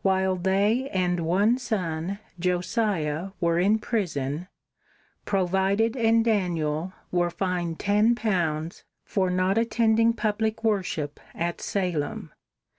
While they and one son, Josiah, were in prison, Provided and Daniel were fined ten pounds for not attending public worship at Salem.